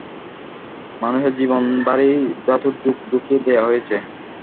মানুষের জীনে ভারি ধাতুর যৌগ ঢুকিয়ে দেয়া হয়েছে।